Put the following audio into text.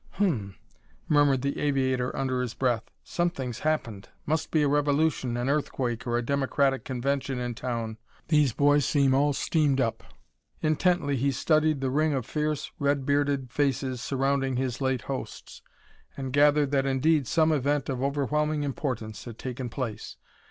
"Hum!" murmured the aviator under his breath. "Something's happened. Must be a revolution, an earthquake or a Democratic convention in town; these boys seem all steamed up." Intently he studied the ring of fierce, red bearded faces surrounding his late hosts and gathered that indeed some event of overwhelming importance had taken place.